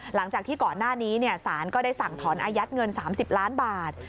หลังจากที่ก่อนหน้านี้สารก็ได้สั่งถอนอายัดเงิน๓๐ล้านบาท